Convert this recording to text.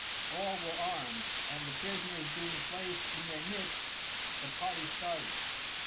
All were armed, and the prisoners being placed in their midst, the party started.